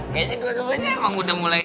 kayaknya dua duanya emang udah mulai